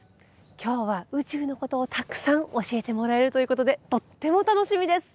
今日は宇宙のことをたくさん教えてもらえるということでとっても楽しみです。